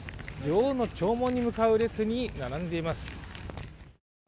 女王の弔問に向かう列に並んでいます。